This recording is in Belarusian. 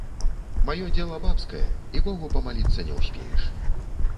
Маё дзела бабскае, і богу памаліцца не ўспееш.